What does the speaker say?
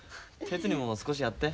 鉄にも少しやって。